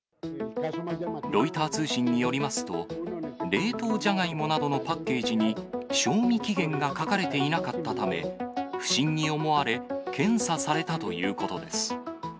ロイター通信によりますと、冷凍ジャガイモなどのパッケージに、賞味期限が書かれていなかったため、不審に思われ、検査されたということです。